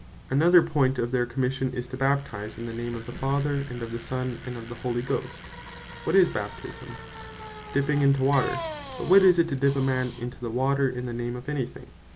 To Baptize; Another point of their Commission, is to Baptize, "in the name of the Father, and of the Son, and of the Holy Ghost." What is Baptisme? Dipping into water. But what is it to Dip a man into the water in the name of any thing?